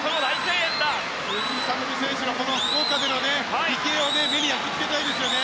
鈴木聡美選手の福岡での姿を目に焼きつけたいですね。